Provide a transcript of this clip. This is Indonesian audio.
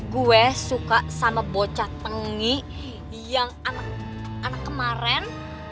gue suka sama bocah tengi yang anak kemarin